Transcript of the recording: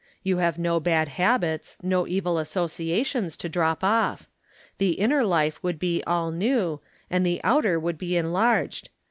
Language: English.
You have no bad habits, no evil associations to drop off. The inner life would be all new, and the outer would be enlarged.